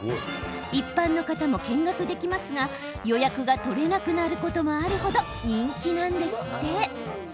一般の方も見学できますが予約が取れなくなることもある程人気なんですって。